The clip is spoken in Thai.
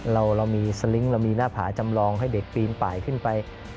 เรามีสลิงค์เรามีหน้าผาจำลองให้เด็กปีนป่ายขึ้นไป